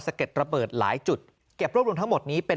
เก็ดระเบิดหลายจุดเก็บรวบรวมทั้งหมดนี้เป็น